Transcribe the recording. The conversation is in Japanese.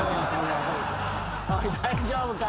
大丈夫か？